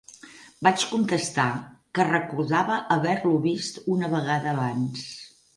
Vaig contestar que recordava haver-lo vist una vegada abans.